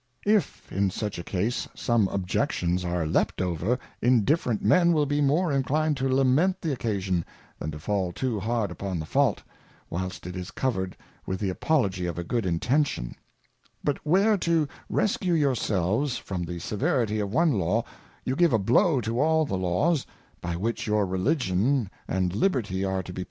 If in such a case, some Objections are leapt over, indifferent Men will be more inclined to lament the Occasion, than to fall too hard upon the Fault, whilst it is covered with the Apology of a good Intention ; but where, to rescue your selves fromthe^Sexerity of one Law, you give a Blow tojtjl_the_Law s, by which yo ur Relig^ion^T Libert y are to, be.